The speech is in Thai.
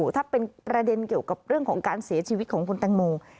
ถ้าเป็นประเด็นเกี่ยวกับเรื่องของการเสียชีวิตของคุณแตงโม